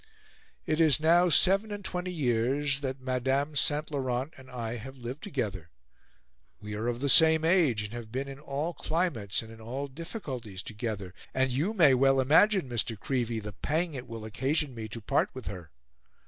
It is now seven and twenty years that Madame St. Laurent and I have lived together: we are of the same age, and have been in all climates, and in all difficulties together, and you may well imagine, Mr. Creevey, the pang it will occasion me to part with her.